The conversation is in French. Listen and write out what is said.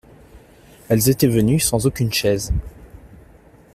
Elles étaient venues sans aucune chaise.